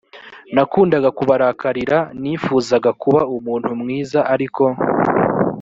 nakundaga kubarakarira nifuzaga kuba umuntu mwiza ariko